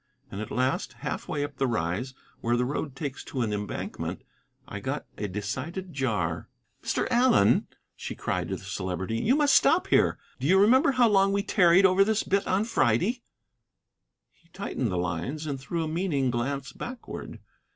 And at last, half way up the Rise, where the road takes to an embankment, I got a decided jar. "Mr. Allen," she cried to the Celebrity, "you must stop here. Do you remember how long we tarried over this bit on Friday?" He tightened the lines and threw a meaning glance backward.